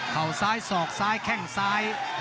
เขาซ้ายสอกซ้ายแข้งซ้าย